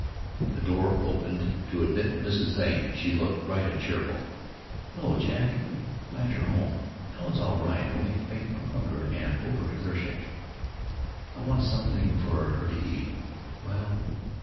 The door opened to admit Mrs. Zane. She looked bright and cheerful, "Hello, Jack; glad you're home. Helen's all right, only faint from hunger and over exertion. I want something for her to eat well!